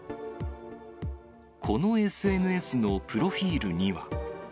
このＳＮＳのプロフィールには。